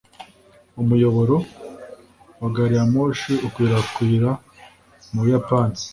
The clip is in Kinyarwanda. Umuyoboro wa gari ya moshi ukwirakwira mu Buyapani.